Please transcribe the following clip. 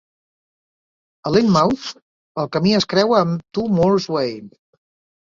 A Lynmouth el camí es creua amb Two Moors Way.